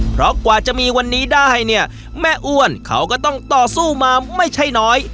เพราะกว่าจะมีวันนี้ได้เนี่ยแม่อ้วนเขาก็ต้องต่อสู้มาไม่ใช่น้อย